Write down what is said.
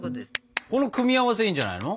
この組み合わせいいんじゃないの？